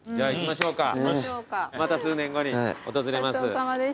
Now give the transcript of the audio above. また数年後に訪れます。